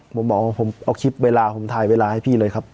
ผมบอกว่าผมเอาคลิปเวลาผมถ่ายเวลาให้พี่เลยครับ